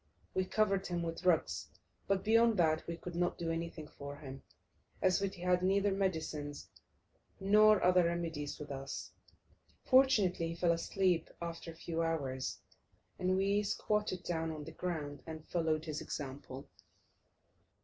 We covered him with rugs, but beyond that we could not do anything for him, as we had neither medicines nor other remedies with us. Fortunately, he fell asleep after a few hours, and we squatted down on the ground and followed his example.